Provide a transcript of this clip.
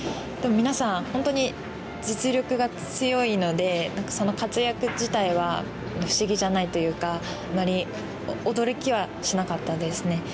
でも皆さん本当に実力が強いので何かその活躍自体は不思議じゃないというかあんまり驚きはしなかったですね。